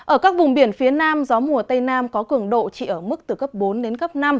ở các vùng biển phía nam gió mùa tây nam có cường độ chỉ ở mức từ cấp bốn đến cấp năm